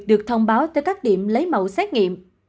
được thông báo tới các điểm lấy mẫu xét nghiệm